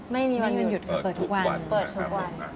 ไม่มีวันหยุดเปิดทุกวัน